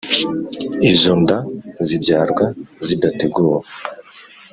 Izo nda zibyarwa zidateguwe